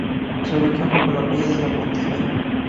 Se ubica junto a la playa de La Puntilla.